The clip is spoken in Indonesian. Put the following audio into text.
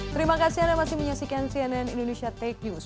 terima kasih anda masih menyaksikan cnn indonesia tech news